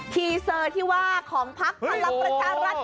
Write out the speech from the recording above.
ีเซอร์ที่ว่าของพักพลังประชารัฐ